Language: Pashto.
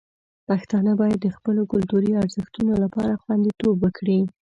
پښتانه باید د خپلو کلتوري ارزښتونو لپاره خوندیتوب وکړي.